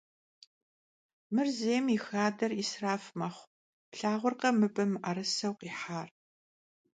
Mır zêym yi xader 'israf mexhu, plhağurkhe mıbı mı'erıseu khihar?